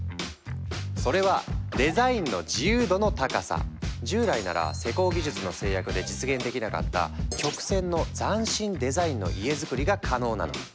それは従来なら施工技術の制約で実現できなかった曲線の斬新デザインの家づくりが可能なの！